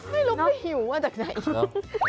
ไม่รู้เขาหิวมาจากไหน